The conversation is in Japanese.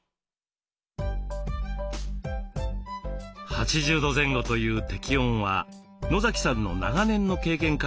８０度前後という適温は野さんの長年の経験から得たもの。